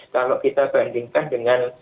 kalau kita bandingkan dengan